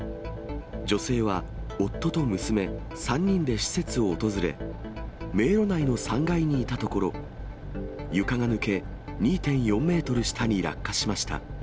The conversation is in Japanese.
女性は夫と娘、３人で施設を訪れ、迷路内の３階にいたところ、床が抜け、２．４メートル下に落下しました。